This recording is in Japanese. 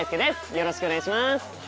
よろしくお願いします。